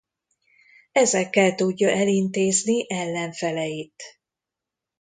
Ezekkel tudja elintézni ellenfeleit.